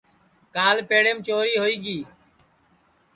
کال پیڑیم چوری ہوئی گی